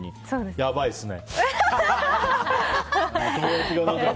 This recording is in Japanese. やばいですね。